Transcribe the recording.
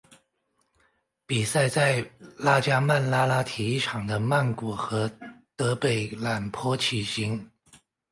比赛在拉加曼拉拉体育场的曼谷和的北榄坡举行。